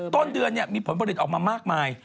ต้นเดือนมีผลผลิตออกมามากมาย